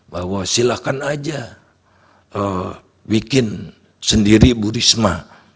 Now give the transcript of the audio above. bahwa silakan aja bikin sendiri burisma